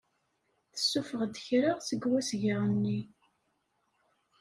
Tessuffeɣ-d kra seg wesga-nni.